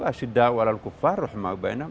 ashidawalal kufarruh ma'ubainam